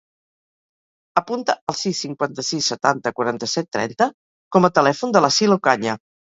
Apunta el sis, cinquanta-sis, setanta, quaranta-set, trenta com a telèfon de l'Assil Ocaña.